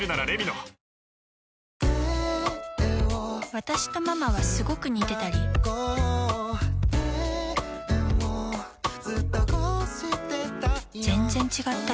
私とママはスゴく似てたり全然違ったり